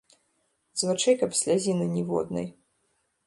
З вачэй каб слязіны ніводнай.